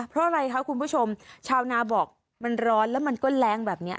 เพราะอะไรคะคุณผู้ชมชาวนาบอกมันร้อนแล้วมันก็แรงแบบนี้